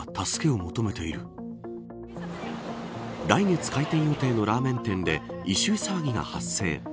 来月、開店予定のラーメン店で異臭騒ぎが発生。